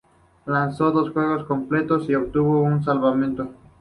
Lanzó dos juegos completos y obtuvo un salvamento.